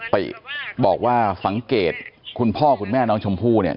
ติบอกว่าสังเกตคุณพ่อคุณแม่น้องชมพู่เนี่ย